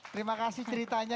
terima kasih ceritanya